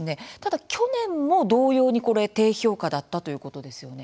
去年も同様に低評価だったということですよね。